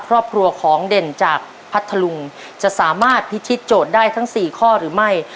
ครอบครัวของเด่นจากพัทธลุงจะสามารถพิธีโจทย์ได้ทั้งสี่ข้อหรือไม่